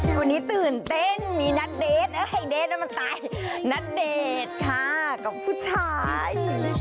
วันนี้ตื่นเต้นมีนัดเดทนัดเดทค่ะกับผู้ชาย